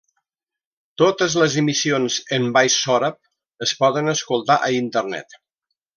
Totes les emissions en baix sòrab es poden escoltar a Internet.